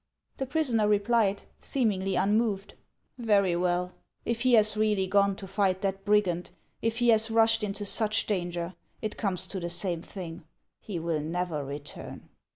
The prisoner replied, seemingly unmoved :" Very well. If he has really gone to fight that brigand, if he has rushed into such danger, it comes to the same thing, — he will never return."